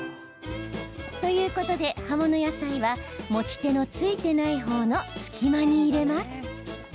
ということで葉物野菜は持ち手のついてない方の隙間に入れます。